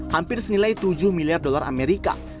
hampir senilai tujuh miliar dolar amerika